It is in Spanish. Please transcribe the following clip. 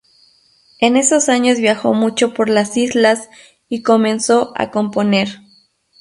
En esos años viajó mucho por las Islas y comenzó a componer.